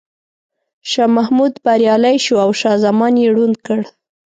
شاه محمود بریالی شو او شاه زمان یې ړوند کړ.